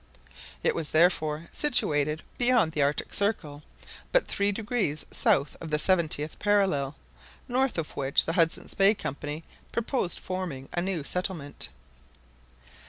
It was therefore situated beyond the Arctic Circle, but three degrees south of the seventieth parallel, north of which the Hudson's Bay Company proposed forming a new settlement.